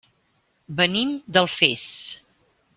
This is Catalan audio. Venim d'Alfés.